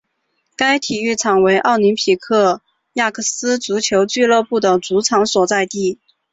该体育场为奥林匹亚克斯足球俱乐部的主场所在地。